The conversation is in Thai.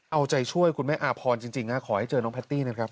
เอาใจช่วยคุณแม่อาพรจริงขอให้เจอน้องแต้นะครับ